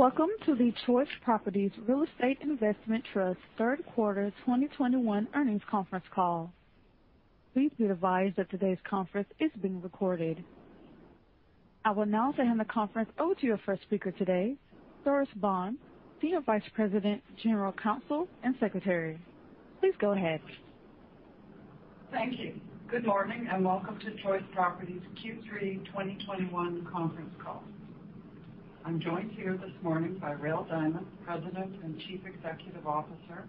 Welcome to the Choice Properties Real Estate Investment Trust third quarter 2021 earnings conference call. Please be advised that today's conference is being recorded. I will now turn the conference over to your first speaker today, Doris Baughan, Senior Vice President, General Counsel and Secretary. Please go ahead. Thank you. Good morning and welcome to Choice Properties Q3 2021 conference call. I'm joined here this morning by Rael Diamond, President and Chief Executive Officer,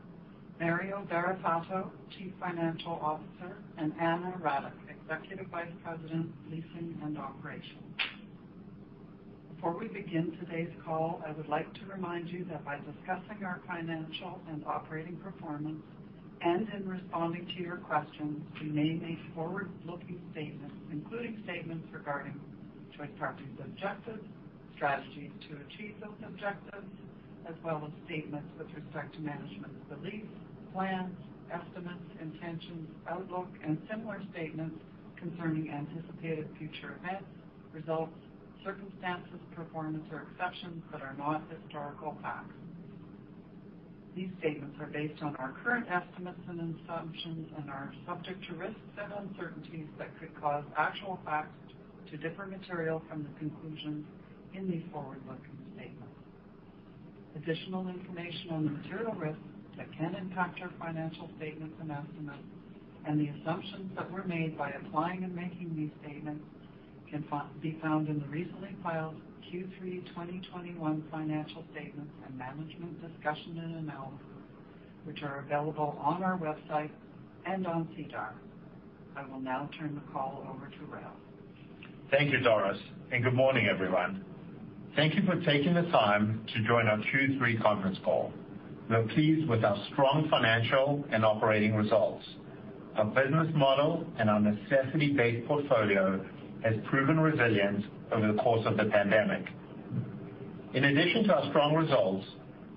Mario Barrafato, Chief Financial Officer, and Ana Radic, Executive Vice President, Leasing and Operations. Before we begin today's call, I would like to remind you that by discussing our financial and operating performance and in responding to your questions, we may make forward-looking statements, including statements regarding Choice Properties objectives, strategies to achieve those objectives, as well as statements with respect to management's beliefs, plans, estimates, intentions, outlook, and similar statements concerning anticipated future events, results, circumstances, performance, or expectations that are not historical facts. These statements are based on our current estimates and assumptions and are subject to risks and uncertainties that could cause actual facts to differ materially from the conclusions in these forward-looking statements. Additional information on the material risks that can impact our financial statements and estimates and the assumptions that were made by applying and making these statements can be found in the recently filed Q3 2021 financial statements and management discussion and analysis, which are available on our website and on SEDAR. I will now turn the call over to Rael. Thank you, Doris, and good morning, everyone. Thank you for taking the time to join our Q3 conference call. We're pleased with our strong financial and operating results. Our business model and our necessity-based portfolio has proven resilient over the course of the pandemic. In addition to our strong results,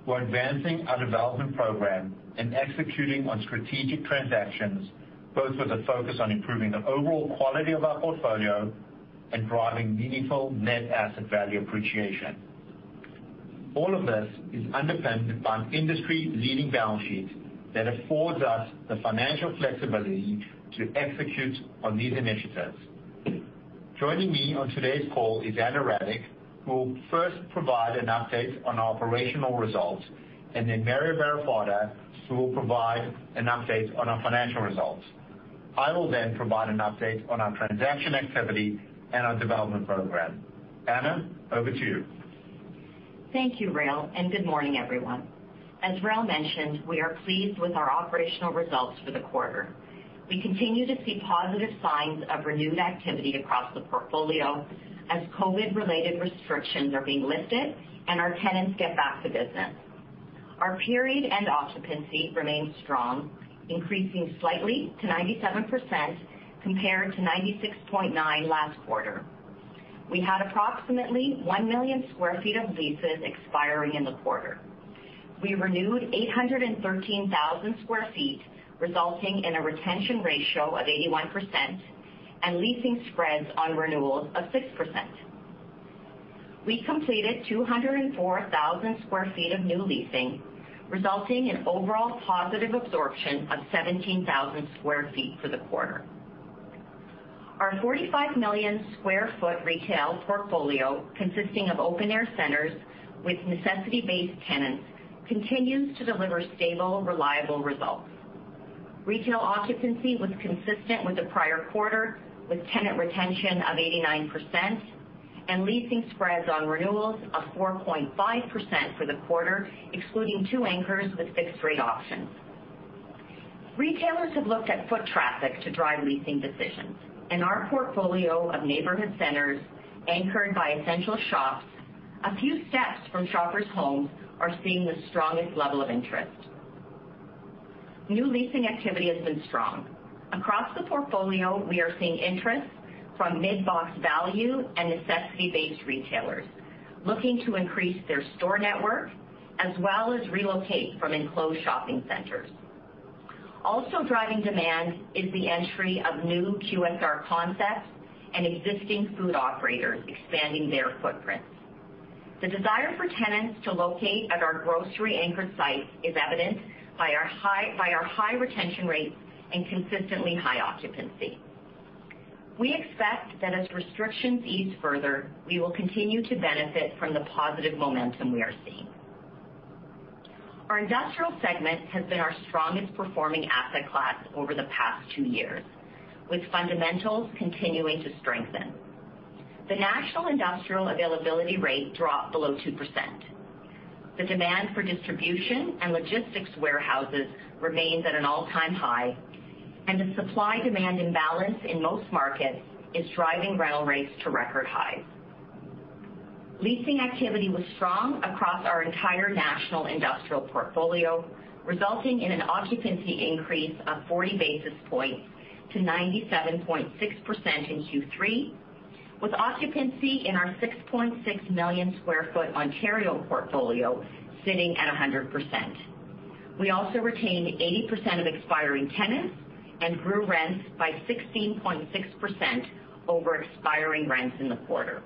we're advancing our development program and executing on strategic transactions, both with a focus on improving the overall quality of our portfolio and driving meaningful net asset value appreciation. All of this is underpinned by an industry-leading balance sheet that affords us the financial flexibility to execute on these initiatives. Joining me on today's call is Ana Radic, who will first provide an update on our operational results, and then Mario Barrafato, who will provide an update on our financial results. I will then provide an update on our transaction activity and our development program. Ana, over to you. Thank you, Rael, and good morning, everyone. As Rael mentioned, we are pleased with our operational results for the quarter. We continue to see positive signs of renewed activity across the portfolio as COVID-related restrictions are being lifted and our tenants get back to business. Our period end occupancy remains strong, increasing slightly to 97% compared to 96.9% last quarter. We had approximately 1 million sq ft of leases expiring in the quarter. We renewed 813,000 sq ft, resulting in a retention ratio of 81% and leasing spreads on renewals of 6%. We completed 204,000 sq ft of new leasing, resulting in overall positive absorption of 17,000 sq ft for the quarter. Our 45 million sq ft retail portfolio, consisting of open air centers with necessity-based tenants, continues to deliver stable, reliable results. Retail occupancy was consistent with the prior quarter, with tenant retention of 89% and leasing spreads on renewals of 4.5% for the quarter, excluding two anchors with fixed rate options. Retailers have looked at foot traffic to drive leasing decisions, and our portfolio of neighborhood centers anchored by essential shops a few steps from shoppers' homes are seeing the strongest level of interest. New leasing activity has been strong. Across the portfolio, we are seeing interest from mid-box value and necessity-based retailers looking to increase their store network as well as relocate from enclosed shopping centers. Also driving demand is the entry of new QSR concepts and existing food operators expanding their footprints. The desire for tenants to locate at our grocery-anchored sites is evident by our high retention rates and consistently high occupancy. We expect that as restrictions ease further, we will continue to benefit from the positive momentum we are seeing. Our industrial segment has been our strongest performing asset class over the past two years, with fundamentals continuing to strengthen. The national industrial availability rate dropped below 2%. The demand for distribution and logistics warehouses remains at an all-time high, and the supply-demand imbalance in most markets is driving rental rates to record highs. Leasing activity was strong across our entire national industrial portfolio, resulting in an occupancy increase of 40 basis points to 97.6% in Q3, with occupancy in our 6.6 million sq ft Ontario portfolio sitting at 100%. We also retained 80% of expiring tenants and grew rents by 16.6% over expiring rents in the quarter.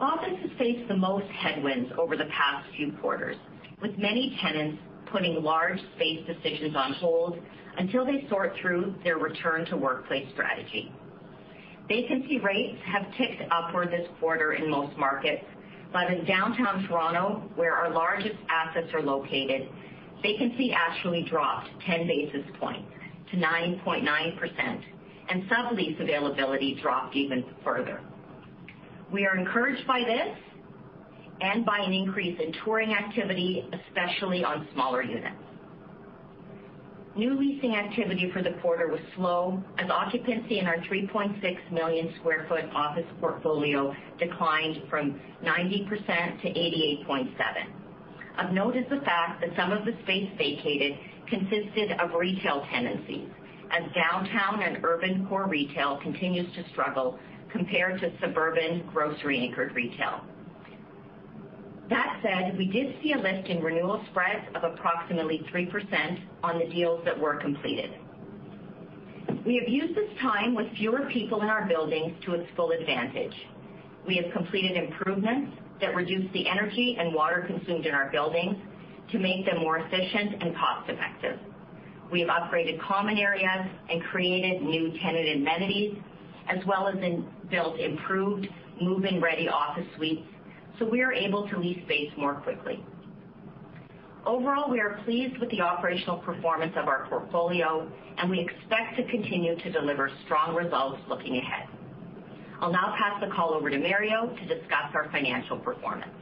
Offices faced the most headwinds over the past few quarters, with many tenants putting large space decisions on hold until they sort through their return to workplace strategy. Vacancy rates have ticked upward this quarter in most markets, but in downtown Toronto, where our largest assets are located, vacancy actually dropped 10 basis points to 9.9%, and sublease availability dropped even further. We are encouraged by this and by an increase in touring activity, especially on smaller units. New leasing activity for the quarter was slow as occupancy in our 3.6 million sq ft office portfolio declined from 90% to 88.7%. Of note is the fact that some of the space vacated consisted of retail tenancy as downtown and urban core retail continues to struggle compared to suburban grocery-anchored retail. That said, we did see a lift in renewal spreads of approximately 3% on the deals that were completed. We have used this time with fewer people in our buildings to its full advantage. We have completed improvements that reduce the energy and water consumed in our buildings to make them more efficient and cost-effective. We have upgraded common areas and created new tenant amenities as well as in-built improved move-in ready office suites, so we are able to lease space more quickly. Overall, we are pleased with the operational performance of our portfolio and we expect to continue to deliver strong results looking ahead. I'll now pass the call over to Mario to discuss our financial performance.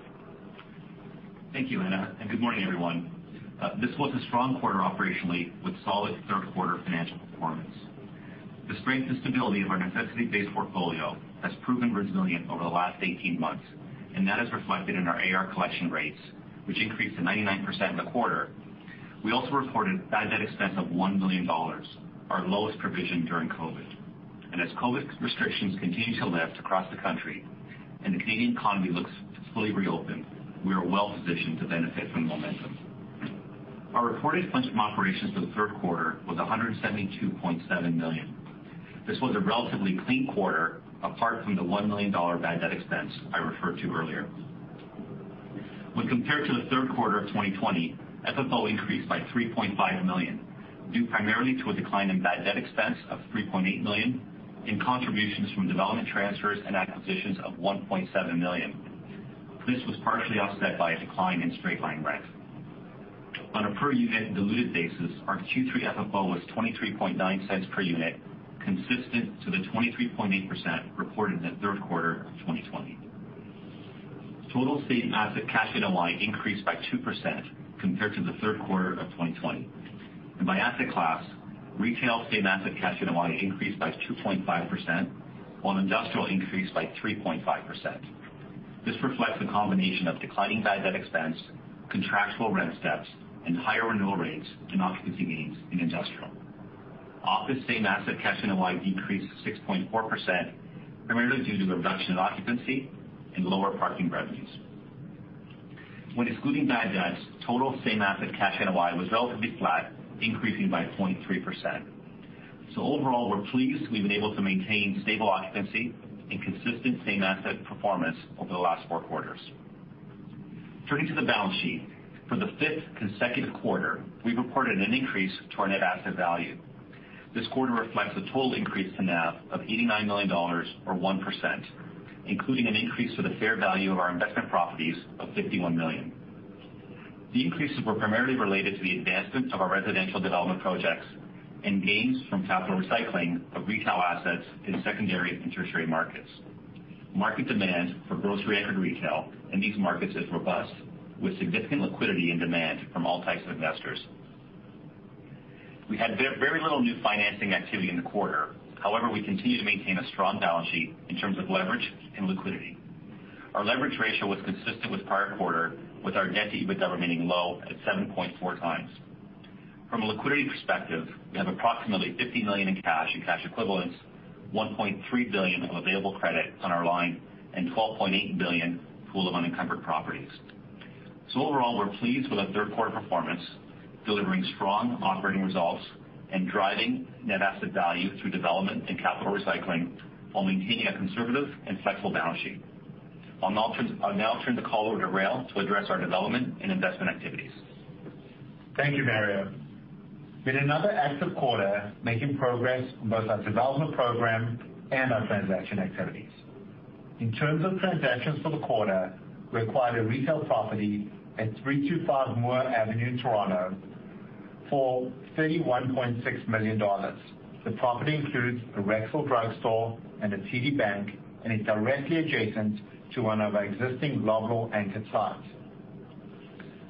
Thank you, Ana, and good morning, everyone. This was a strong quarter operationally with solid third quarter financial performance. The strength and stability of our necessity-based portfolio has proven resilient over the last 18 months, and that is reflected in our AR collection rates, which increased to 99% in the quarter. We also reported bad debt expense of 1 million dollars, our lowest provision during COVID. As COVID restrictions continue to lift across the country and the Canadian economy looks to fully reopen, we are well positioned to benefit from momentum. Our reported funds from operations for the third quarter was 172.7 million. This was a relatively clean quarter, apart from the 1 million dollar bad debt expense I referred to earlier. When compared to the third quarter of 2020, FFO increased by 3.5 million, due primarily to a decline in bad debt expense of 3.8 million and contributions from development transfers and acquisitions of 1.7 million. This was partially offset by a decline in straight-line rent. On a per unit diluted basis, our Q3 FFO was 0.239 per unit, consistent to the 0.238 reported in the third quarter of 2020. Total same asset cash NOI increased by 2% compared to the third quarter of 2020. By asset class, retail same asset cash NOI increased by 2.5%, while industrial increased by 3.5%. This reflects a combination of declining bad debt expense, contractual rent steps, and higher renewal rates and occupancy gains in industrial. Office same asset cash NOI decreased 6.4%, primarily due to reduction in occupancy and lower parking revenues. When excluding bad debts, total same asset cash NOI was relatively flat, increasing by 0.3%. Overall, we're pleased we've been able to maintain stable occupancy and consistent same asset performance over the last four quarters. Turning to the balance sheet. For the 5th consecutive quarter, we reported an increase to our net asset value. This quarter reflects a total increase to NAV of 89 million dollars or 1%, including an increase to the fair value of our investment properties of 51 million. The increases were primarily related to the advancement of our residential development projects and gains from capital recycling of retail assets in secondary and tertiary markets. Market demand for grocery-anchored retail in these markets is robust, with significant liquidity and demand from all types of investors. We had very little new financing activity in the quarter. However, we continue to maintain a strong balance sheet in terms of leverage and liquidity. Our leverage ratio was consistent with prior quarter, with our net debt to EBITDA remaining low at 7.4 times. From a liquidity perspective, we have approximately 50 million in cash and cash equivalents, 1.3 billion of available credit on our line and 12.8 billion pool of unencumbered properties. Overall, we're pleased with our third quarter performance, delivering strong operating results and driving net asset value through development and capital recycling while maintaining a conservative and flexible balance sheet. I'll now turn the call over to Rael to address our development and investment activities. Thank you, Mario. With another active quarter making progress on both our development program and our transaction activities. In terms of transactions for the quarter, we acquired a retail property at 325 Moore Avenue, Toronto for 31.6 million dollars. The property includes a Rexall drugstore and a TD Bank, and is directly adjacent to one of our existing Loblaw anchor sites.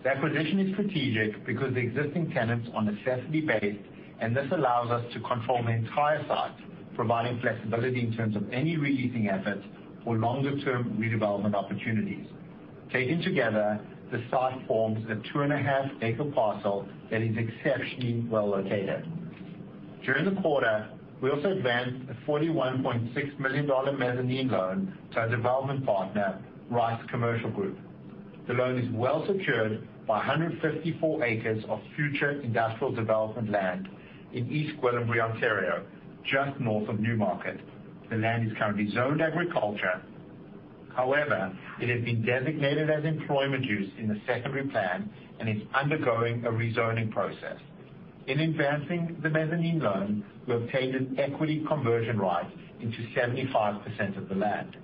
The acquisition is strategic because the existing tenants are necessity-based, and this allows us to control the entire site, providing flexibility in terms of any re-leasing efforts or longer-term redevelopment opportunities. Taken together, the site forms a 2.5-acre parcel that is exceptionally well located. During the quarter, we also advanced a 41.6 million dollar mezzanine loan to our development partner, Rise Commercial Group. The loan is well secured by 154 acres of future industrial development land in East Gwillimbury, Ontario, just north of Newmarket. The land is currently zoned agriculture. However, it has been designated as employment use in the secondary plan and is undergoing a rezoning process. In advancing the mezzanine loan, we obtained an equity conversion right into 75% of the land.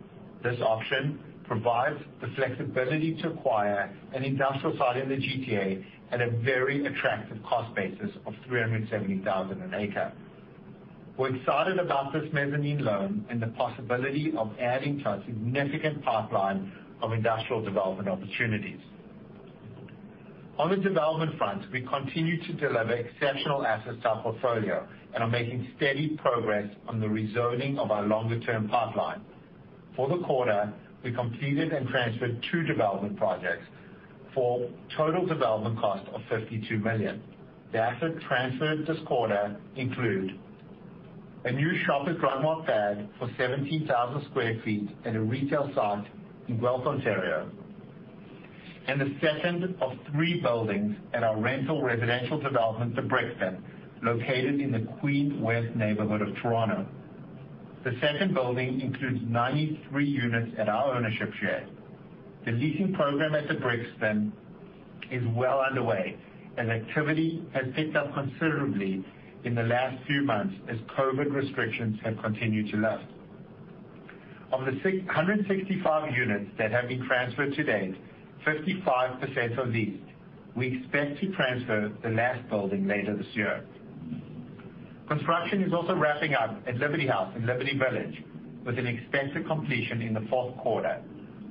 This option provides the flexibility to acquire an industrial site in the GTA at a very attractive cost basis of 370,000 an acre. We're excited about this mezzanine loan and the possibility of adding to our significant pipeline of industrial development opportunities. On the development front, we continue to deliver exceptional assets to our portfolio and are making steady progress on the rezoning of our longer-term pipeline. For the quarter, we completed and transferred two development projects for total development cost of 52 million. The assets transferred this quarter include a new Shoppers Drug Mart pad for 17,000 sq ft at a retail site in Guelph, Ontario, and the second of three buildings at our rental residential development, The Brixton, located in the Queen West neighborhood of Toronto. The second building includes 93 units at our ownership share. The leasing program at The Brixton is well underway, and activity has picked up considerably in the last few months as COVID restrictions have continued to lift. Of the 665 units that have been transferred to date, 55% are leased. We expect to transfer the last building later this year. Construction is also wrapping up at Liberty House in Liberty Village, with an expected completion in the fourth quarter.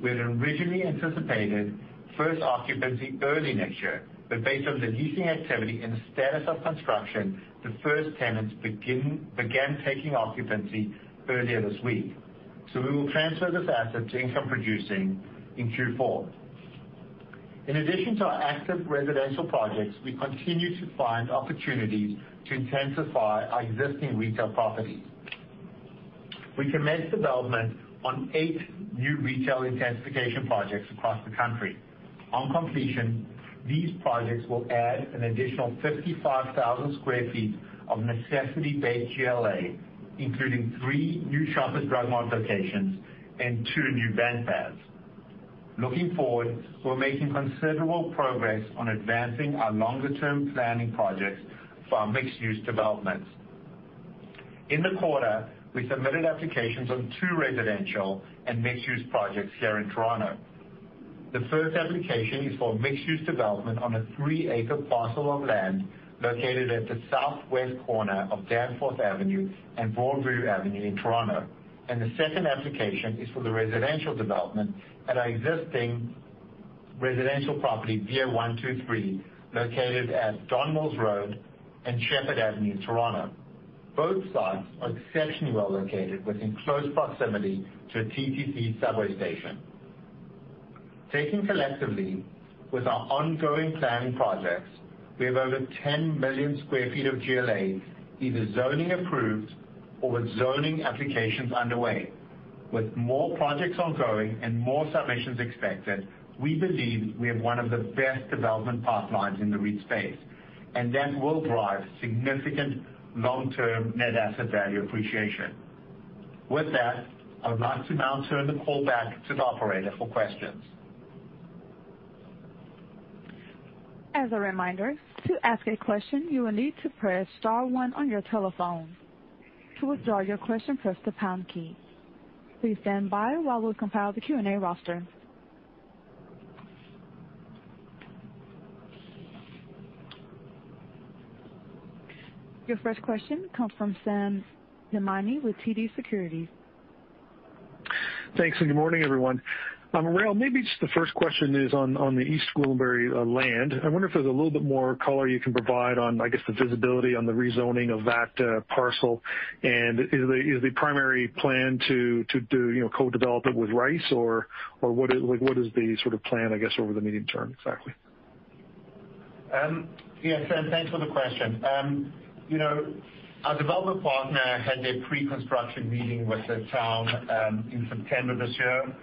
We had originally anticipated first occupancy early next year, but based on the leasing activity and the status of construction, the first tenants began taking occupancy earlier this week. We will transfer this asset to income producing in Q4. In addition to our active residential projects, we continue to find opportunities to intensify our existing retail properties. We commenced development on eight new retail intensification projects across the country. On completion, these projects will add an additional 55,000 sq ft of necessity-based GLA, including three new Shoppers Drug Mart locations and two new bank pads. Looking forward, we're making considerable progress on advancing our longer-term planning projects for our mixed-use developments. In the quarter, we submitted applications on two residential and mixed-use projects here in Toronto. The first application is for a mixed-use development on a three-acre parcel of land located at the southwest corner of Danforth Avenue and Broadview Avenue in Toronto. The second application is for the residential development at our existing residential property Via123, located at Don Mills Road and Sheppard Avenue in Toronto. Both sites are exceptionally well located within close proximity to a TTC subway station. Taken collectively with our ongoing planning projects, we have over 10 million sq ft of GLA, either zoning approved or with zoning applications underway. With more projects ongoing and more submissions expected, we believe we have one of the best development pipelines in the REIT space, and that will drive significant long-term net asset value appreciation. With that, I would like to now turn the call back to the operator for questions. As a reminder, to ask a question, you will need to press star one on your telephone. To withdraw your question, press the pound key. Please stand by while we compile the Q&A roster. Your first question comes from Sam Damiani with TD Securities. Thanks, and good morning, everyone. Rael, maybe just the first question is on the East Gwillimbury land. I wonder if there's a little bit more color you can provide on, I guess, the visibility on the rezoning of that parcel. Is the primary plan to do, you know, co-develop it with Rise or what is like what is the sort of plan, I guess, over the medium term exactly? Yeah, Sam, thanks for the question. You know, our development partner had their pre-construction meeting with the town in September this year.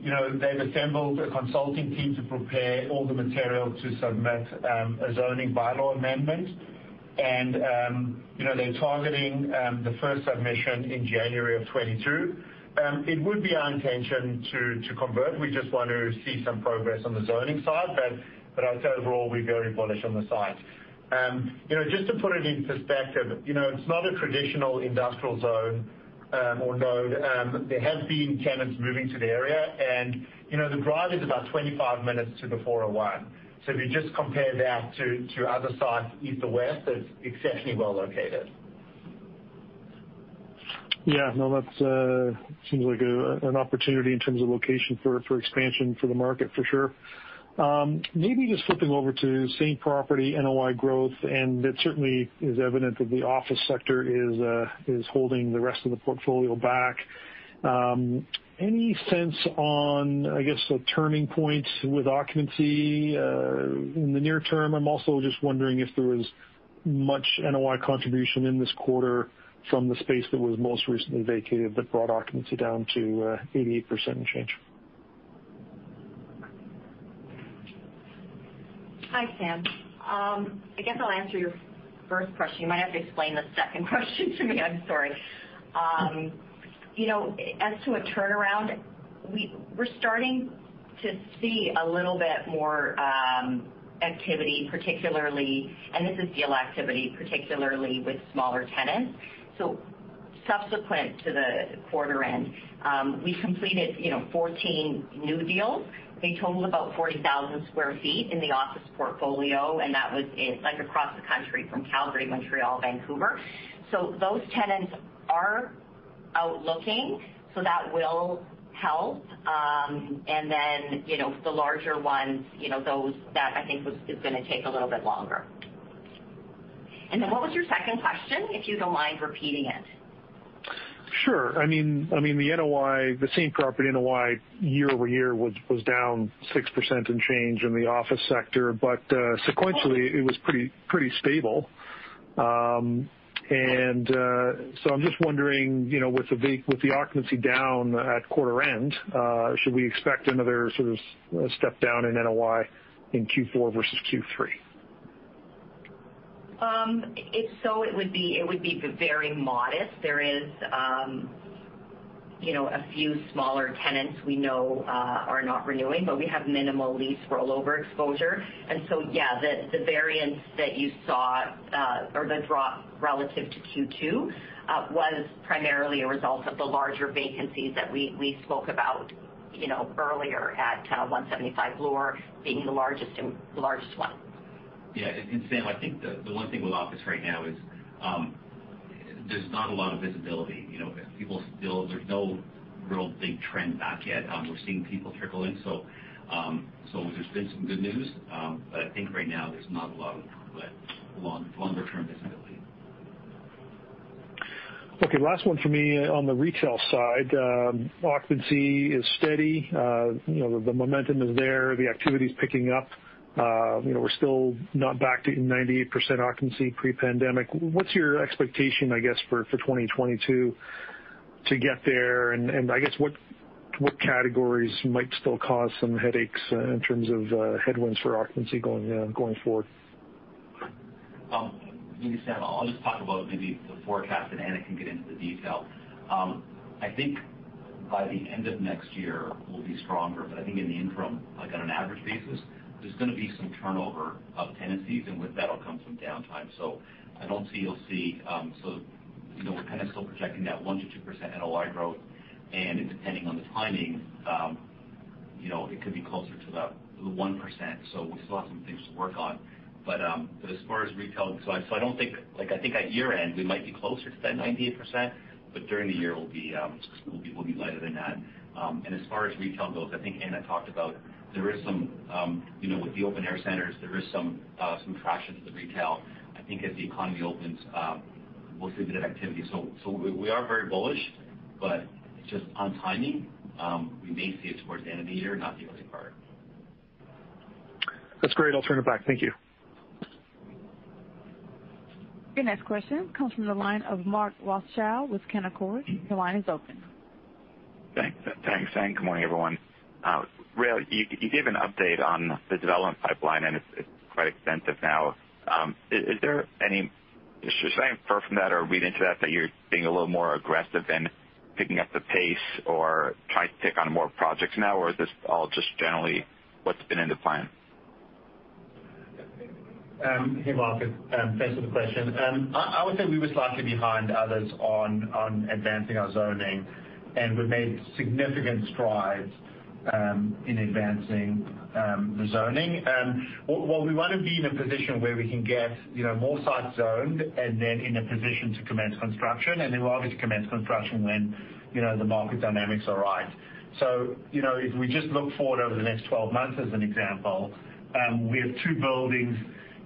You know, they've assembled a consulting team to prepare all the material to submit a zoning bylaw amendment. You know, they're targeting the first submission in January of 2022. It would be our intention to convert. We just want to see some progress on the zoning side. But I'd say overall, we're very bullish on the site. You know, just to put it in perspective, you know, it's not a traditional industrial zone or node. There have been tenants moving to the area. You know, the drive is about 25 minutes to the 401. If you just compare that to other sites east or west, it's exceptionally well located. Yeah. No, that seems like an opportunity in terms of location for expansion for the market, for sure. Maybe just flipping over to same property NOI growth. It certainly is evident that the office sector is holding the rest of the portfolio back. Any sense on, I guess, a turning point with occupancy in the near term? I'm also just wondering if there was much NOI contribution in this quarter from the space that was most recently vacated that brought occupancy down to 88% and change. Hi, Sam. I guess I'll answer your first question. You might have to explain the second question to me. I'm sorry. You know, as to a turnaround, we're starting to see a little bit more activity, particularly, and this is deal activity, particularly with smaller tenants. Subsequent to the quarter end, we completed, you know, 14 new deals. They totaled about 40,000 sq ft in the office portfolio, and that was in sites across the country from Calgary, Montreal, Vancouver. Those tenants are out looking, so that will help. You know, the larger ones, you know, those that I think is gonna take a little bit longer. What was your second question, if you don't mind repeating it? Sure. I mean, the NOI, the same property NOI year-over-year was down 6% and change in the office sector, but sequentially it was pretty stable. I'm just wondering, you know, with the occupancy down at quarter end, should we expect another sort of step down in NOI in Q4 versus Q3? If so, it would be very modest. There is, you know, a few smaller tenants we know are not renewing, but we have minimal lease rollover exposure. Yeah, the variance that you saw or the drop relative to Q2 was primarily a result of the larger vacancies that we spoke about, you know, earlier at 175 Bloor being the largest one. Sam, I think the one thing with office right now is, there's not a lot of visibility. You know, people still, there's no real big trend back yet. We're seeing people trickle in, so there's been some good news. I think right now there's not a lot of longer-term visibility. Okay, last one for me. On the retail side, occupancy is steady. You know, the momentum is there, the activity's picking up. You know, we're still not back to 98% occupancy pre-pandemic. What's your expectation, I guess, for 2022 to get there? I guess what categories might still cause some headaches in terms of headwinds for occupancy going forward? Maybe, Sam, I'll just talk about maybe the forecast, and Anna can get into the detail. I think by the end of next year we'll be stronger. I think in the interim, like on an average basis, there's gonna be some turnover of tenancies, and with that'll come some downtime. You'll see, you know, we're kind of still projecting that 1% to 2% NOI growth. Depending on the timing, you know, it could be closer to the 1%. We still have some things to work on. But as far as retail, I don't think, like I think at year end we might be closer to that 98%, but during the year we'll be lighter than that. As far as retail goes, I think Ana talked about there is some traction to the retail with the open air centers. I think as the economy opens, we'll see a bit of activity. We are very bullish, but just on timing, we may see it towards the end of the year, not the early part. That's great. I'll turn it back. Thank you. Your next question comes from the line of Mark Rothschild with Canaccord. Your line is open. Thanks. Good morning, everyone. Rael, you gave an update on the development pipeline, and it's quite extensive now. Should I infer from that or read into that you're being a little more aggressive in picking up the pace or trying to take on more projects now? Or is this all just generally what's been in the plan? Hey, Mark, thanks for the question. I would say we were slightly behind others on advancing our zoning, and we've made significant strides in advancing the zoning. Well, we wanna be in a position where we can get, you know, more sites zoned and then in a position to commence construction. Then we'll obviously commence construction when, you know, the market dynamics are right. You know, if we just look forward over the next 12 months as an example, we have two buildings,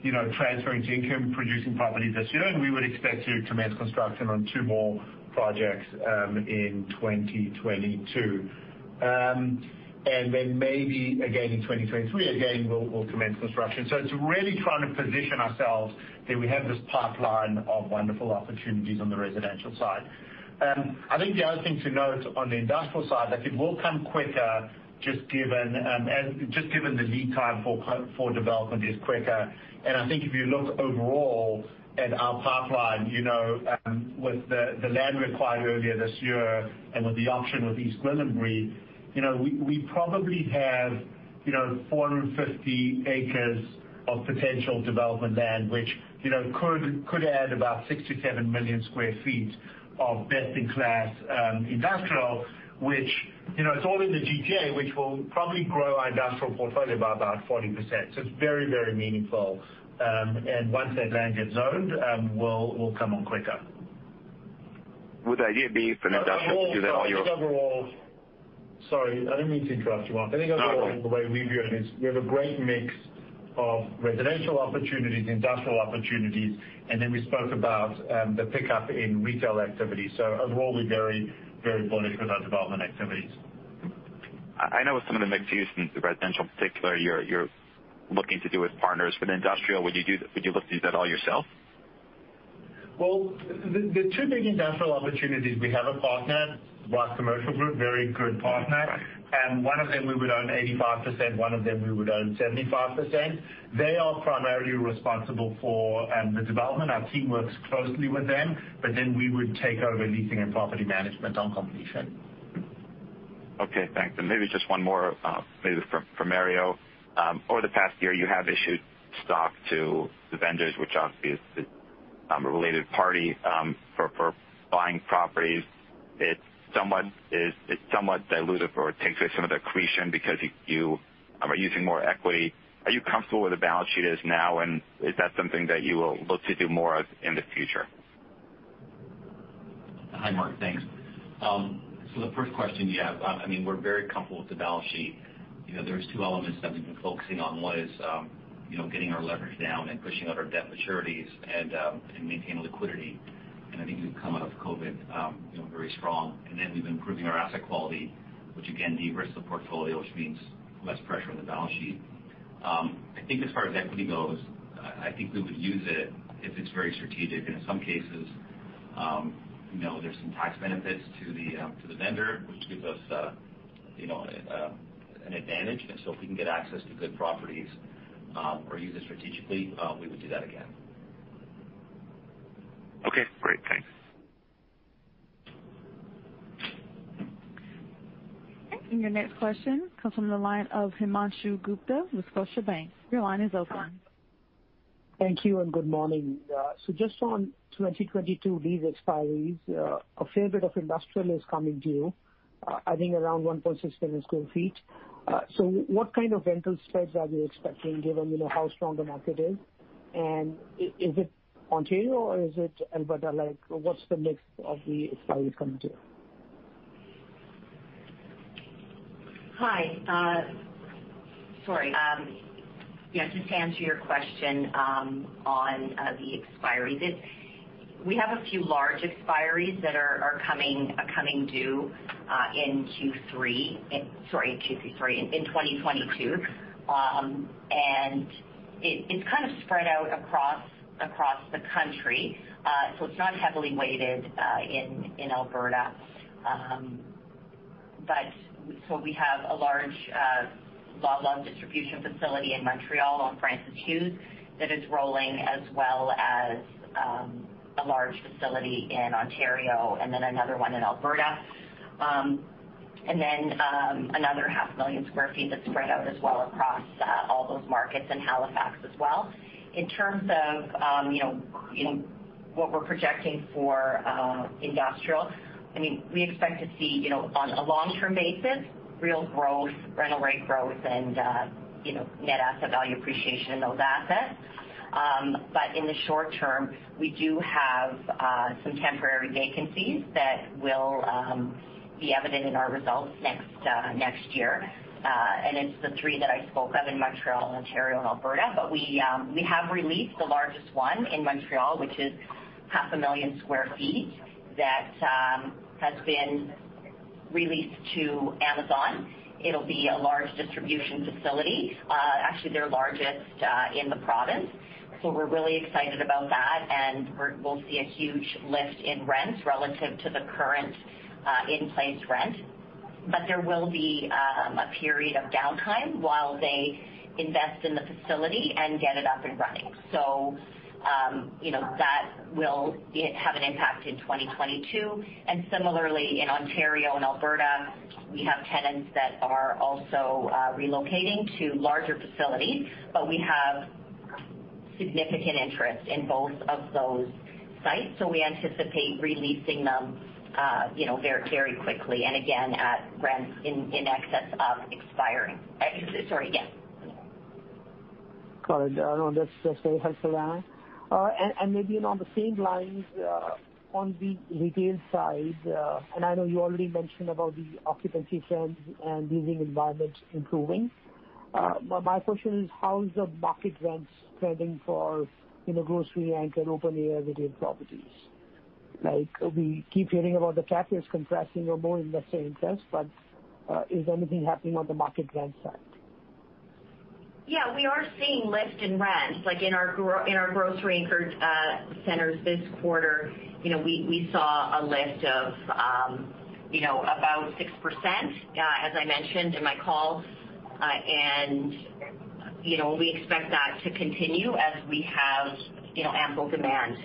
you know, transferring to income producing property this year, and we would expect to commence construction on two more projects in 2022. Then maybe again in 2023, we'll commence construction. It's really trying to position ourselves that we have this pipeline of wonderful opportunities on the residential side. I think the other thing to note on the industrial side, like it will come quicker just given the lead time for development is quicker. I think if you look overall at our pipeline, you know, with the land acquired earlier this year and with the auction with East Gwillimbury, you know, we probably have 450 acres of potential development land which, you know, could add about 6-7 million sq ft of best in class industrial, which, you know, it's all in the GTA, which will probably grow our industrial portfolio by about 40%. It's very, very meaningful. Once that land gets zoned, we'll come on quicker. Would the idea be for an industrial to do that on your? Sorry, I didn't mean to interrupt you, Mark. No. I think overall the way we view it is we have a great mix of residential opportunities, industrial opportunities, and then we spoke about the pickup in retail activity. Overall, we're very, very bullish with our development activities. I know with some of the mixed-use and the residential in particular, you're looking to do with partners. For the industrial, would you look to do that all yourself? Well, the two big industrial opportunities, we have a partner, Rise Commercial Group, very good partner. One of them we would own 85%, one of them we would own 75%. They are primarily responsible for the development. Our team works closely with them, but then we would take over leasing and property management on completion. Okay, thanks. Maybe just one more, maybe for Mario. Over the past year, you have issued stock to the vendors, which obviously is a related party for buying properties. Is it somewhat dilutive or it takes away some of the accretion because you are using more equity. Are you comfortable where the balance sheet is now, and is that something that you will look to do more of in the future? Hi, Mark. Thanks. The first question, yeah. I mean, we're very comfortable with the balance sheet. You know, there's two elements that we've been focusing on. One is, you know, getting our leverage down and pushing out our debt maturities and maintaining liquidity. I think we've come out of COVID, you know, very strong. We've been improving our asset quality, which again, de-risks the portfolio, which means less pressure on the balance sheet. I think as far as equity goes, I think we would use it if it's very strategic. In some cases, you know, there's some tax benefits to the, to the vendor, which gives us, you know, an advantage. If we can get access to good properties, or use it strategically, we would do that again. Okay, great. Thanks. Your next question comes from the line of Himanshu Gupta with Scotiabank. Your line is open. Thank you and good morning. Just on 2022 lease expiries, a fair bit of industrial is coming due. I think around 1.6 million sq ft. What kind of rental spreads are you expecting given you know how strong the market is? Is it Ontario or is it Alberta? Like, what's the mix of the expiry coming due? Just to answer your question, on the expiries. We have a few large expiries that are coming due in Q3 2022. It's kind of spread out across the country. It's not heavily weighted in Alberta. We have a large Loblaws distribution facility in Montreal on Francis-Hughes that is rolling, as well as a large facility in Ontario and then another one in Alberta. Then another 500,000 sq ft that's spread out as well across all those markets and Halifax as well. In terms of, you know, what we're projecting for, industrial, I mean, we expect to see, you know, on a long-term basis, real growth, rental rate growth and, net asset value appreciation in those assets. In the short term, we do have some temporary vacancies that will be evident in our results next year. It's the three that I spoke of in Montreal, Ontario, and Alberta. We have re-leased the largest one in Montreal, which is 500,000 sq ft that has been re-leased to Amazon. It'll be a large distribution facility, actually their largest, in the province. We're really excited about that, and we'll see a huge lift in rents relative to the current, in-place rent. There will be a period of downtime while they invest in the facility and get it up and running. You know, that will have an impact in 2022. Similarly, in Ontario and Alberta, we have tenants that are also relocating to larger facilities, but we have significant interest in both of those sites. We anticipate re-leasing them, you know, very, very quickly and again, at rents in excess of expiring. Sorry, again. Got it. No, that's very helpful. Maybe along the same lines, on the retail side, and I know you already mentioned about the occupancy trends and leasing environment improving. My question is how is the market rents trending for, you know, grocery-anchored open-air retail properties? Like, we keep hearing about the cap rates compressing or more investor interest, but is anything happening on the market rent side? Yeah, we are seeing lift in rents. Like in our grocery-anchored centers this quarter, you know, we saw a lift of about 6% as I mentioned in my call. You know, we expect that to continue as we have ample demand.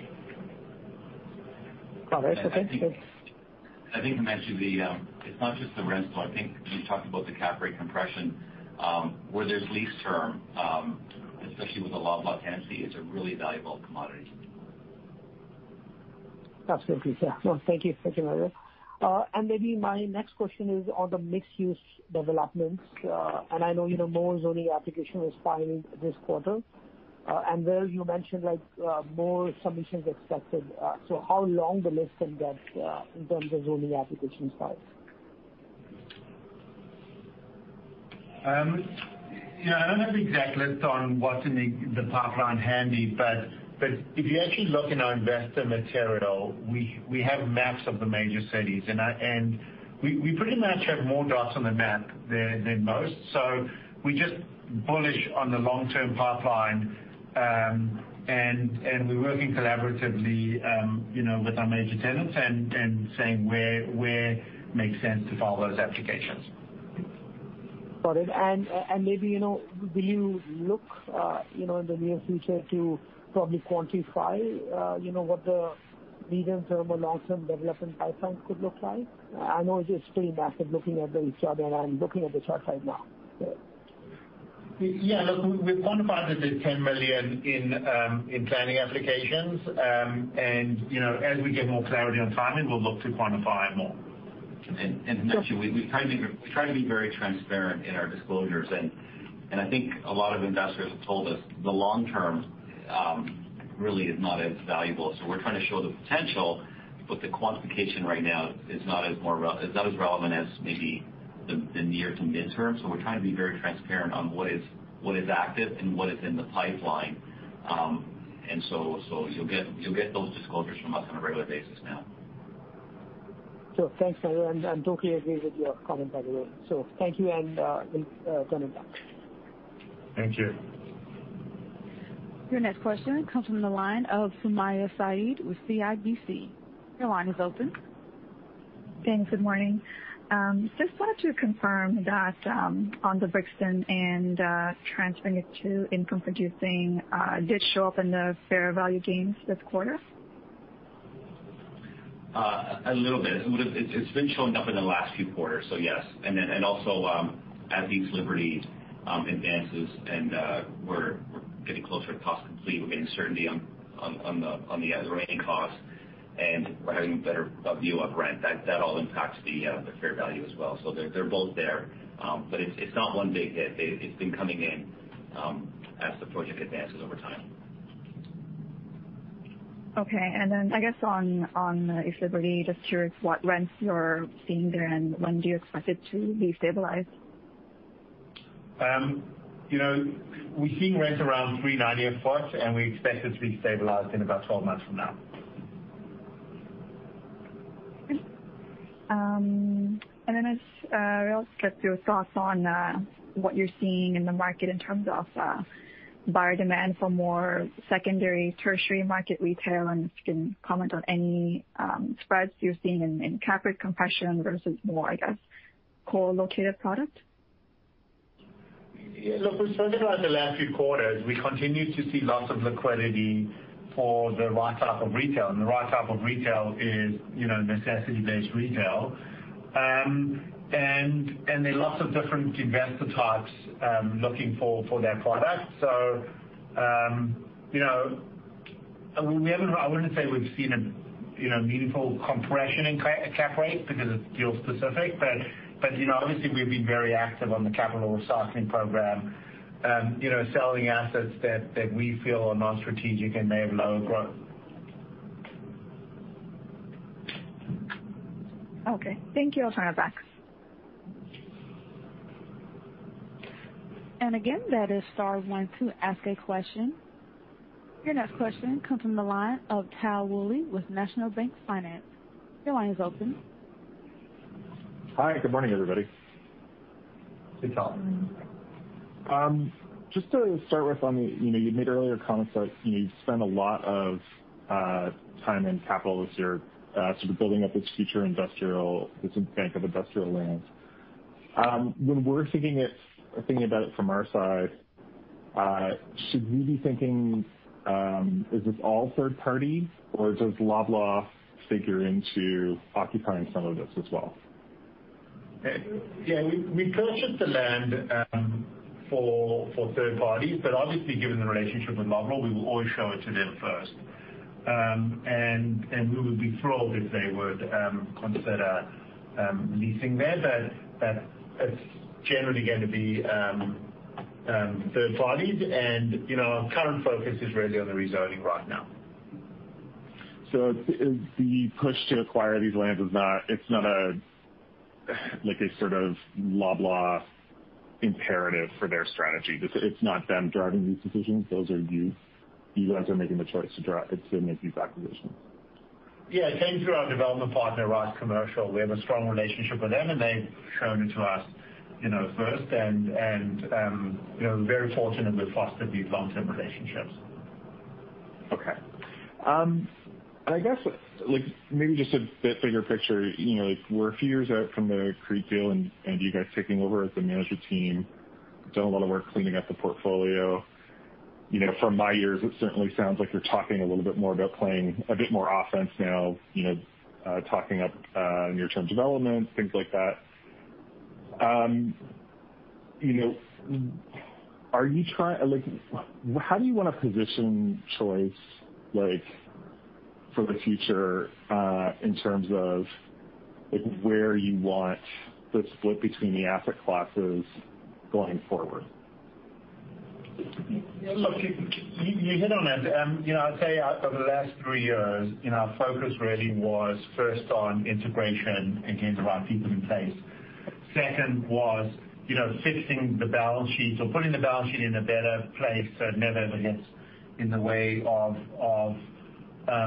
Got it. That's it. Thanks. I think, Himanshu. It's not just the rents, but I think you talked about the cap rate compression. Where there's lease term, especially with a lot of vacancy, it's a really valuable commodity. Absolutely. Yeah. No, thank you. Thank you, Mario. Maybe my next question is on the mixed-use developments. I know you know more zoning application was filed this quarter. There you mentioned like more submissions expected. How long the list can get in terms of zoning application files? Yeah, I don't have the exact list on what's in the pipeline handy, but if you actually look in our investor material, we have maps of the major cities. We pretty much have more dots on the map than most. We're just bullish on the long-term pipeline. We're working collaboratively, you know, with our major tenants and saying where it makes sense to file those applications. Got it. Maybe, you know, will you look, you know, in the near future to probably quantify, you know, what the medium-term or long-term development pipelines could look like? I know it's just pretty massive looking at the chart, and I'm looking at the chart right now. Yeah. Yeah. Look, we've quantified the 10 million in planning applications. You know, as we get more clarity on timing, we'll look to quantify more. Himanshu Gupta Sure. We try to be very transparent in our disclosures. I think a lot of investors have told us the long term really is not as valuable. We're trying to show the potential, but the quantification right now is not as relevant as maybe the near to mid-term. We're trying to be very transparent on what is active and what is in the pipeline. You'll get those disclosures from us on a regular basis now. Sure. Thanks, Tyler. I totally agree with your comment, by the way. Thank you. Thank you. Your next question comes from the line of Sumayya Syed with CIBC. Your line is open. Thanks. Good morning. Just wanted to confirm that, on The Brixton and transferring it to income producing, did show up in the fair value gains this quarter. A little bit. It's been showing up in the last few quarters, so yes. Also, as East Liberty advances and we're getting closer to cost complete, we're getting certainty on the remaining costs, and we're having a better view of rent, that all impacts the fair value as well. They're both there. It's not one big hit. It's been coming in as the project advances over time. Okay. I guess on East Liberty, just curious what rents you're seeing there, and when do you expect it to be stabilized? You know, we're seeing rents around 3.90 a spot, and we expect it to be stabilized in about 12 months from now. I'll just get your thoughts on what you're seeing in the market in terms of buyer demand for more secondary, tertiary market retail, and if you can comment on any spreads you're seeing in cap rate compression versus more, I guess, core-located product? Yeah. Look, we've spoken about the last few quarters. We continue to see lots of liquidity for the right type of retail, and the right type of retail is, you know, necessity-based retail. There are lots of different investor types looking for that product. You know, we haven't. I wouldn't say we've seen a, you know, meaningful compression in cap rate because it's deal specific. You know, obviously, we've been very active on the capital recycling program, you know, selling assets that we feel are non-strategic and may have lower growth. Okay. Thank you. I'll turn it back. Again, that is star one two, ask a question. Your next question comes from the line of Tal Woolley with National Bank Financial. Your line is open. Hi. Good morning, everybody. Hey, Tal. Just to start with on the, you know, you made earlier comments that, you know, you've spent a lot of time and capital this year, sort of building up this future industrial, this bank of industrial land. When we're thinking about it from our side, should we be thinking, is this all third party, or does Loblaw figure into occupying some of this as well? Yeah. We purchased the land for third parties, but obviously, given the relationship with Loblaw, we will always show it to them first. We would be thrilled if they would consider leasing there. It's generally going to be third parties. You know, our current focus is really on the rezoning right now. The push to acquire these lands is not. It's not, like, a sort of Loblaw imperative for their strategy. It's not them driving these decisions. Those are yours. You guys are making the choice to make these acquisitions. Yeah. It came through our development partner, Rise Commercial. We have a strong relationship with them, and they've shown it to us, you know, first and, you know, very fortunate we've fostered these long-term relationships. Okay. I guess, like, maybe just a bit bigger picture. You know, like, we're a few years out from the CREIT deal and you guys taking over as the management team done a lot of work cleaning up the portfolio. You know, from my ears, it certainly sounds like you're talking a little bit more about playing a bit more offense now, you know, talking up near-term development, things like that. You know, are you like, how do you wanna position Choice? Like for the future, in terms of like where you want the split between the asset classes going forward. Look, you hit on it. You know, I'd say over the last three years, you know, our focus really was first on integration and getting the right people in place. Second was, you know, fixing the balance sheet. Putting the balance sheet in a better place so it never, ever gets in the way of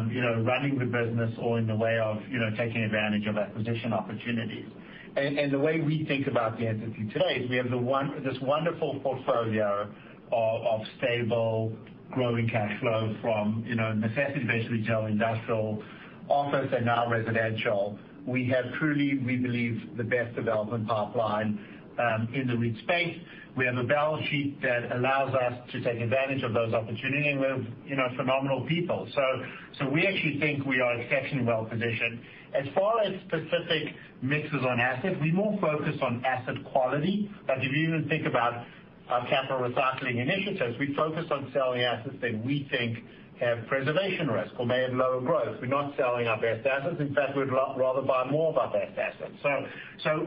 you know, running the business or in the way of, you know, taking advantage of acquisition opportunities. The way we think about the entity today is we have this wonderful portfolio of stable growing cash flow from, you know, necessity, basically, retail, industrial office and now residential. We have truly, we believe, the best development pipeline in the REIT space. We have a balance sheet that allows us to take advantage of those opportunities, and we have, you know, phenomenal people. We actually think we are exceptionally well positioned. As far as specific mixes on assets, we're more focused on asset quality. Like, if you even think about our capital recycling initiatives, we focus on selling assets that we think have preservation risk or may have lower growth. We're not selling our best assets. In fact, we'd rather buy more of our best assets.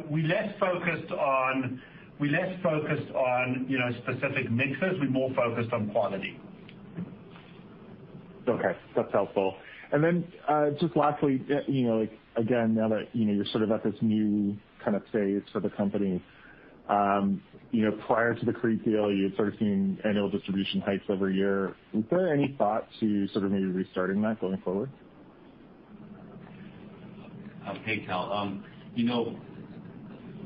We're less focused on, you know, specific mixes. We're more focused on quality. Okay, that's helpful. Just lastly, you know, like, again, now that, you know, you're sort of at this new kind of phase for the company, you know, prior to the CREIT deal, you had sort of seen annual distribution hikes every year. Is there any thought to sort of maybe restarting that going forward? Hey, Rael Diamond. You know,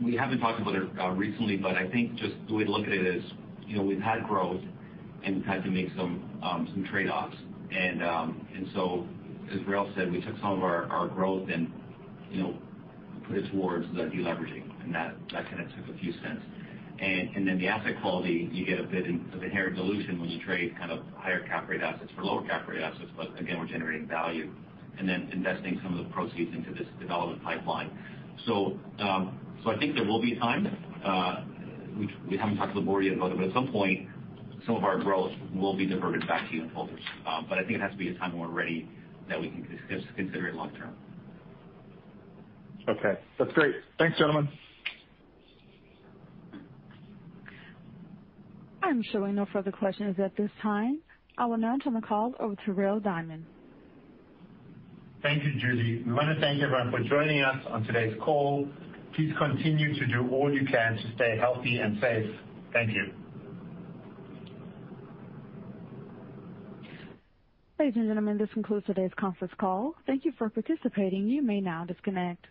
we haven't talked about it recently, but I think just the way to look at it is, you know, we've had growth and we've had to make some trade-offs. So as Rael Diamond said, we took some of our growth and, you know, put it towards the deleveraging, and that kind of took a few cents. Then the asset quality, you get a bit of inherent dilution when you trade kind of higher cap rate assets for lower cap rate assets. Again, we're generating value and then investing some of the proceeds into this development pipeline. I think there will be a time which we haven't talked to the board yet about it, but at some point, some of our growth will be diverted back to unitholders. I think it has to be a time when we're ready that we can consider it long term. Okay. That's great. Thanks, gentlemen. I'm showing no further questions at this time. I will now turn the call over to Rael Diamond. Thank you, Judy. We wanna thank everyone for joining us on today's call. Please continue to do all you can to stay healthy and safe. Thank you. Ladies and gentlemen, this concludes today's conference call. Thank you for participating. You may now disconnect.